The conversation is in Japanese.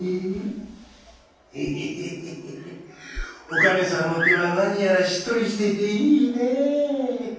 おかねさんの手は何やらしっとりしていていいねえ。